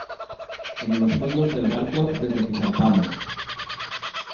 en los fondos del barco desde que zarpamos.